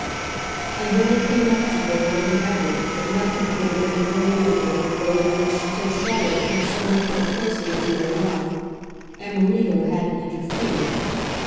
and then it came up to her more than ever that nothing could have been more beautiful than the way in which, till Charlotte came so much more closely into their life, Amerigo hadn't interfered.